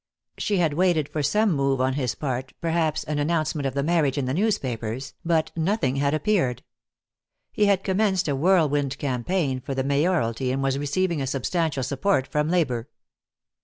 She had waited for some move or his part, perhaps an announcement of the marriage in the newspapers, but nothing had appeared. He had commenced a whirlwind campaign for the mayoralty and was receiving a substantial support from labor.